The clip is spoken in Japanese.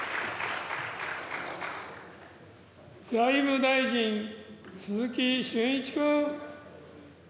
財務大臣、鈴木俊一君。